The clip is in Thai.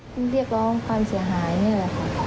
คุณเรียกร้องความเสียหายนี่แหละค่ะ